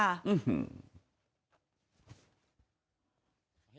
อื้อฮือ